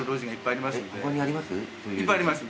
いっぱいあります。